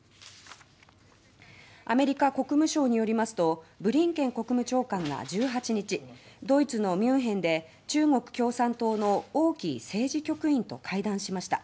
アメリカ国務省によりますとブリンケン国務長官が１８日ドイツのミュンヘンで中国共産党の王毅政治局員と会談しました。